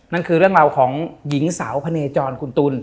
นั่นคือเรื่องราวของหญิงสาวพะเนจรคุณตุล